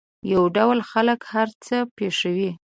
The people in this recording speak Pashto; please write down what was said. یو ډول خلک هر څه پېښوي.